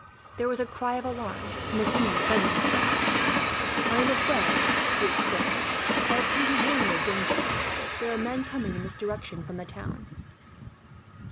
There was a cry of alarm, and the singing suddenly stopped. "I am a friend," he exclaimed. "I have come to warn you of danger. There are men coming in this direction from the town."